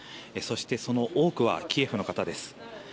そして、その多くはキエフの方です。